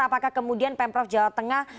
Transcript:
apakah kemudian pemprov jawa tengah